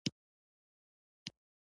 خټکی له طبیعي خوږو ډک وي.